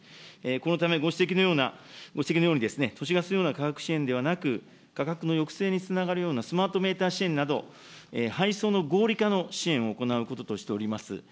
このためご指摘のような、ご指摘のように都市ガスのような価格支援ではなく、価格の抑制につながるようなスマートメーター支援など、配送の合理化の支援を行うこととしております。